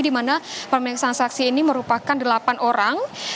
di mana pemeriksaan saksi ini merupakan delapan orang